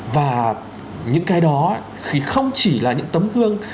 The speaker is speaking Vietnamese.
và những cái đó thì không chỉ là những tấm gương